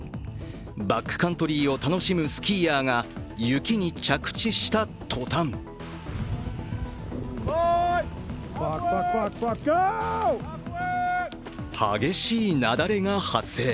バックカントリーを楽しむスキーヤーが雪に着地したとたん激しい雪崩が発生。